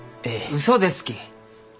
うそですき！